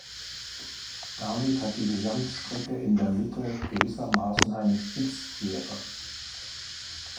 Damit hat die Gesamtstrecke in der Mitte gewissermaßen eine Spitzkehre.